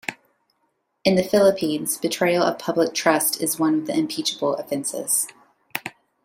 In the Philippines, "betrayal of public trust" is one of the impeachable offenses.